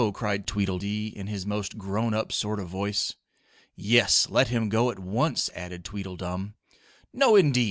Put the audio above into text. cried Tweedledee in his most grown up sort of voice. "Yes, let him go at once!" added Tweedledum. "No, indeed!"